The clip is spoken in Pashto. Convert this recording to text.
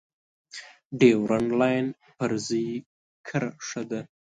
ډیورنډ لاین فرضي کرښه ده